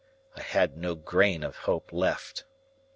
I had no grain of hope left.